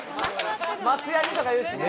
松ヤニとか言うしね